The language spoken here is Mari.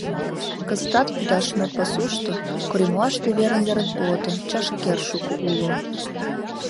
Кызытат Кудашнур пасушто, коремлаште верын-верын ото, чашкер шуко уло.